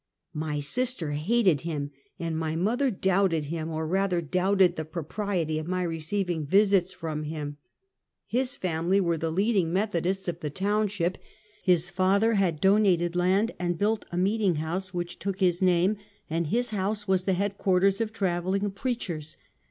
My sister hated him, and my mother doubted him, or rather doubted the propriety of my receiving visits from him. His family were the leading Methodists of the township; his father had donated land and built a meeting house, which took his name, and his house Deliveeek of the Dark Night. 41 was the headquarters of traveling preachers.